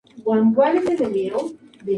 En el mes de octubre fue reparado en La Habana.